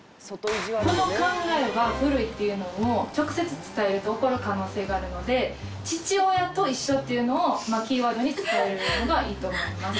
この考えは古いっていうのを直接伝えると怒る可能性があるので「父親と一緒」っていうのをキーワードに伝えるのがいいと思います。